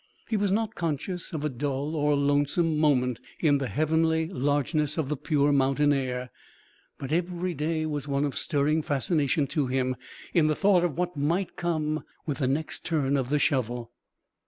He was not conscious of a dull or lonesome moment in the heavenly largeness of the pure mountain air, but every day was one of stirring fascination to him in the thought of what might come with the next turn of the shovel.